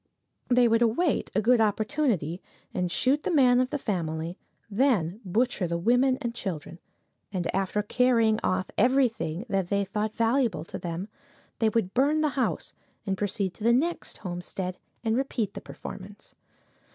They would await a good opportunity, and shoot the man of the family; then butcher the women and children, and, after carrying off everything that they thought valuable to them, they would burn the house and proceed to the next homestead and repeat the performance.